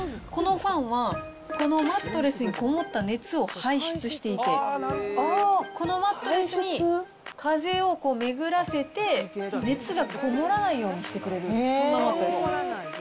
このファンはこのマットレスにこもった熱を排出していて、このマットレスに風を巡らせて熱がこもらないようにしてくれる、そんなマットレスなんです。